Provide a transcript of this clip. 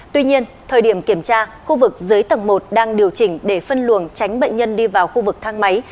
tuy nhiên thời điểm kiểm tra khu vực dưới tầng một đang điều chỉnh để phân luồng tránh bệnh nhân đi vào khu vực thang máy